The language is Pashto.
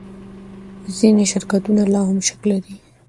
ځینې شرکتونه لا هم شک لري.